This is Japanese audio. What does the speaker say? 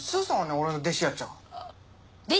俺の弟子やっちゃが。